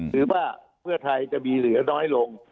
หรือว่าเพื่อไทยจะมีเหลือน้อยลง